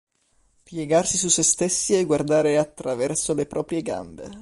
Piegarsi su stessi e guardare attraverso le proprie gambe.